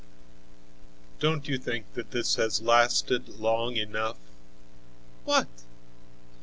"Don't you think that this has lasted long enough?" "What?"